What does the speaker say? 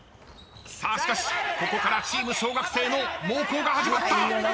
［さあしかしここからチーム小学生の猛攻が始まった］